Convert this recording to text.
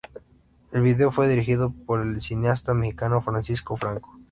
El vídeo fue dirigido por el cineasta mexicano Francisco Franco.